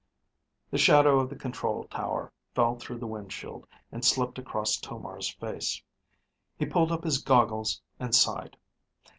The shadow of the control tower fell through the windshield and slipped across Tomar's face. He pulled up his goggles and sighed.